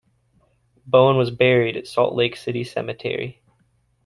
Bowen was buried at Salt Lake City Cemetery.